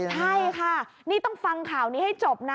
ใช่ค่ะนี่ต้องฟังข่าวนี้ให้จบนะ